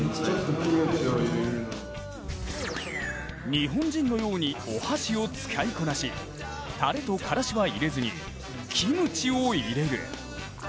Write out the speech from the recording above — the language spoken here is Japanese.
日本人のようにお箸を使いこなしタレとからしは入れずにキムチを入れる！